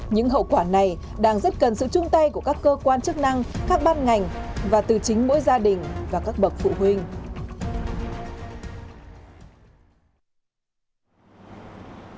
những hậu quả này đang rất cần sự chung tay của các cơ quan chức năng các ban ngành và từ chính mỗi gia đình và các bậc phụ huynh